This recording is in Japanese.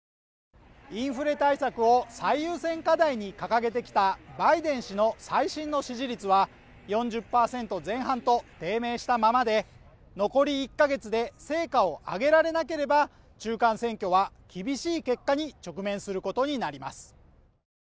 インフレ対策を最優先課題に掲げてきたバイデン氏の最新の支持率は４０％前半と低迷したままで残り１か月で成果を上げられなければ中間選挙は厳しい結果に直面することになります。